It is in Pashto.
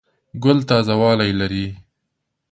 ګل تازه والی لري.